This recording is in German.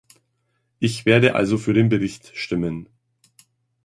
Ich werde also für den Bericht stimmen.